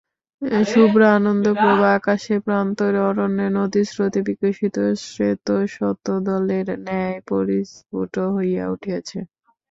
শুভ্র আনন্দপ্রভা আকাশে প্রান্তরে অরণ্যে নদীস্রোতে বিকশিত শ্বেতশতদলের ন্যায় পরিস্ফুট হইয়া উঠিয়াছে।